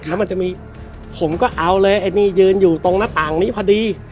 แล้วมันจะมีผมก็เอาเลยไอ้นี่ยืนอยู่ตรงหน้าต่างนี้พอดี